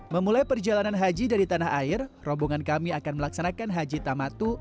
memulai perjalanan haji dari tanah air rombongan kami akan melaksanakan haji tamatu